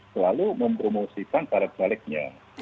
selalu mempromosikan cara calegnya